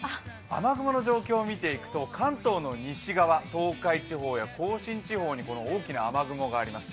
雨雲の状況を見ていくと関東の西側、東海地方や甲信地方にこの大きな雨雲があります。